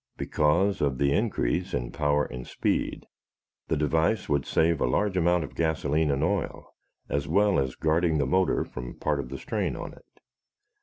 Because of the increase in power and speed, the device would save a large amount of gasoline and oil, as well as guarding the motor from part of the strain on it.